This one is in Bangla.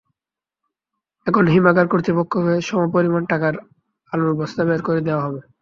এখন হিমাগার কর্তৃপক্ষকে সমপরিমাণ টাকার আলুর বস্তা বের করে দেওয়া হবে।